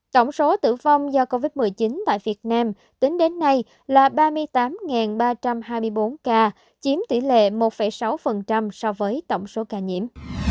tổng số tử vong do covid một mươi chín tại việt nam tính đến nay là ba mươi tám ba trăm hai mươi bốn ca chiếm tỷ lệ một sáu so với tổng số ca nhiễm